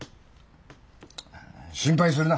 心配するな。